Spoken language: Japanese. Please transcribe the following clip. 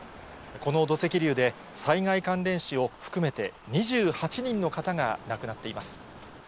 この土石流で災害関連死を含めて２８人の方が亡くなっています。